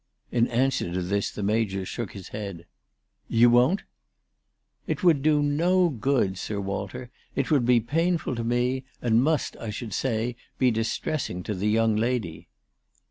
In answer to this the Major shook his head. " You won't ?"" It would do no good, Sir Walter. It would be painful to me, and must, I should say, be distressing to the young lady."